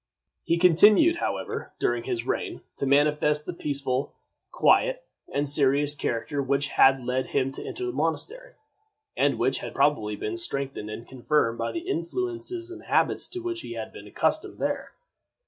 He continued, however, during his reign, to manifest the peaceful, quiet, and serious character which had led him to enter the monastery, and which had probably been strengthened and confirmed by the influences and habits to which he had been accustomed there.